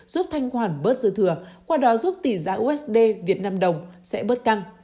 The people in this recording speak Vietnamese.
giúp thanh khoản bớt dư thừa qua đó giúp tỷ giá usd việt nam đồng sẽ bớt căng